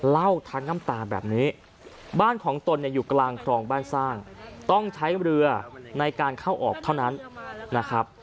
เล่าทั้งน้ำตาแบบนี้บ้านของตนเนี่ยอยู่กลางคลองบ้านสร้างต้องใช้เรือในการเข้าออกเท่านั้นนะครับ